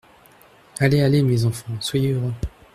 Allez, allez, mes enfants, soyez heureux.